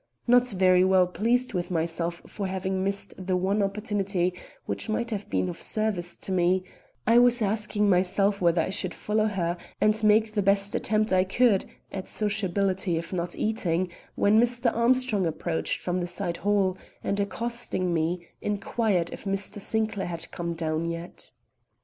Not very well pleased with myself for having missed the one opportunity which might have been of service to me, I was asking myself whether I should follow her and make the best attempt I could at sociability if not at eating, when Mr. Armstrong approached from the side hall, and, accosting me, inquired if Mr. Sinclair had come down yet.